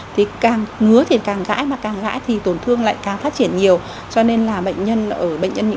thì càng ngứa thì càng gãi mà càng gãi thì tổn thương lại càng phát triển nhiều